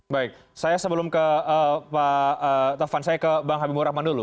baik saya sebelum ke pak taufan saya ke bang habibur rahman dulu